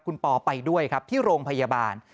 คุณปอไปด้วยครับที่โรงพยาบาล